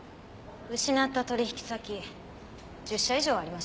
失った取引先１０社以上ありましたね。